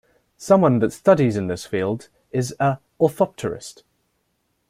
Someone that studies in this field is a orthopterist.